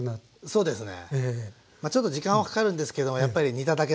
そうですね。